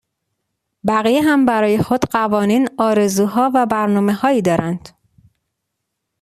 بقیه هم برای خود قوانین، آرزوها و برنامه هایی دارند.